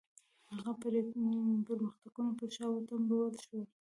هغه پرمختګونه پر شا وتمبول شول.